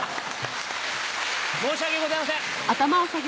申し訳ございません。